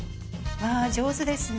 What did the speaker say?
ああ上手ですね。